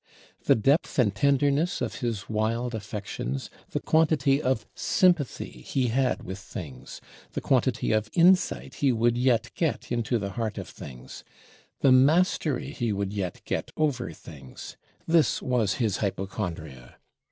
The depth and tenderness of his wild affections: the quantity of sympathy he had with things, the quantity of insight he would yet get into the heart of things, the mastery he would yet get over things: this was his hypochondria.